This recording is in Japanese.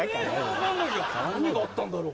何があったんだろう？